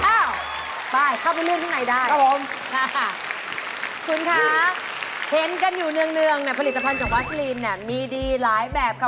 อ้าวไปเข้าไปนวดข้างในได้ครับผมค่ะคุณคะเห็นกันอยู่เนื่องเนี่ยผลิตภัณฑ์จากวัสลีนเนี่ยมีดีหลายแบบค่ะ